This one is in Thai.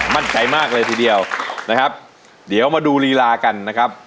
มั่นใจมากเลยทีเดียวนะครับเดี๋ยวมาดูลีลากันนะครับ